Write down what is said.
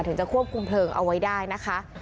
ถึงจะควบคุมเพลิงเอาไว้ได้นะคะ